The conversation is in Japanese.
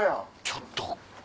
ちょっと。